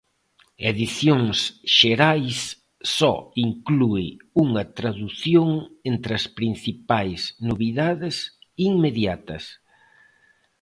Edicións Xerais só inclúe unha tradución entre as principais novidades inmediatas.